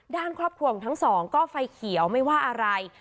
ด้านความห่วงทั้งสองก็ไฟเขียวไม่ว่าอะไร